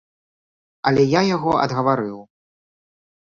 Але я яго адгаварыў.